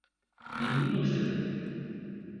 Yiwen ur t-rrin.